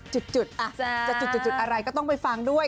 จุดจะจุดอะไรก็ต้องไปฟังด้วย